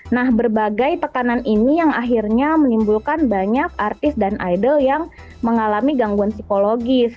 nah berbagai tekanan ini yang akhirnya menimbulkan banyak artis dan idol yang mengalami gangguan psikologis